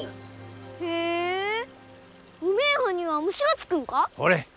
へぇうめえ葉には虫がつくのか。